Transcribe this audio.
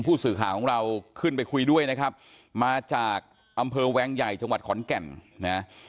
ผู้สื่อข่าวของเราขึ้นไปคุยด้วยนะครับมาจากอำเภอแวงใหญ่จังหวัดขอนแก่นนะ